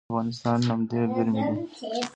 د افغانستان نمدې ګرمې دي